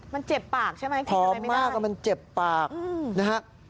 มันเจ็บปากใช่ไหมคิดทำไมไม่ได้พร้อมมากมันเจ็บปากนะฮะ